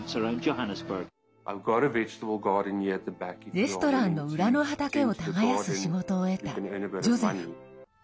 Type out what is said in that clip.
レストランの裏の畑を耕す仕事を得たジョゼフ。